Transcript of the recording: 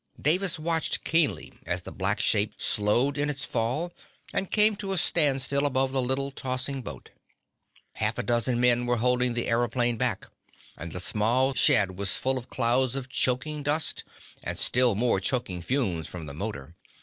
Davis watched keenly as the black shape slowed in its fall and came to a standstill above the little, tossing boat. Half a dozen men were holding the aëroplane back, and the small shed was full of clouds of choking dust and still more choking fumes from the motor.